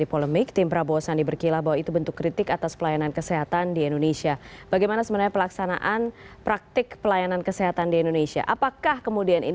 pemerintah masyarakat minim